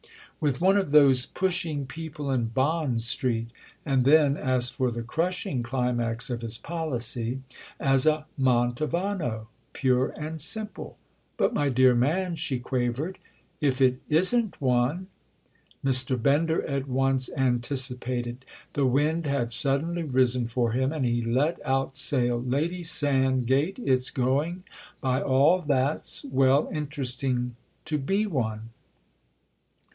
"With one of those pushing people in Bond Street." And then as for the crushing climax of his policy: "As a Mantovano pure and simple." "But my dear man," she quavered, "if it isn't one?" Mr. Bender at once anticipated; the wind had suddenly risen for him and he let out sail. "Lady Sand gate, it's going, by all that's—well, interesting, to be one!"